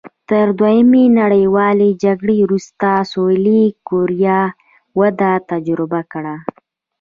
تر دویمې نړیوالې جګړې وروسته سوېلي کوریا وده تجربه کړه.